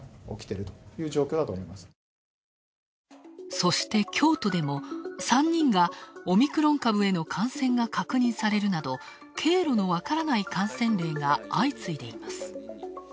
そして、京都でも３人がオミクロン株への感染が確認されるなど経路の分からない感染例が相次いでいます。